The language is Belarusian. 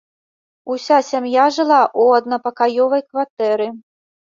Уся сям'я жыла ў аднапакаёвай кватэры.